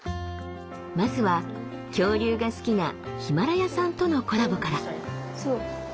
まずは恐竜が好きなヒマラヤさんとのコラボから。